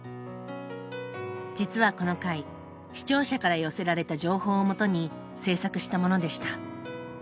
実はこの回視聴者から寄せられた情報をもとに制作したものでした。